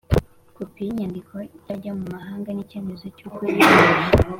kopi y’urwandiko rw’abajya mu mahanga n’icyemezo cy’uko yibaruje